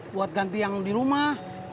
buat ganti yang di rumah